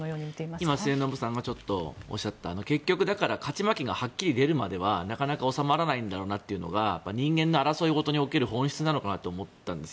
今末延さんもおっしゃった結局、勝ち負けが出るまでは収まらないんだろうなというのが人間の争いごとにおける本質なのかなと思ったんです。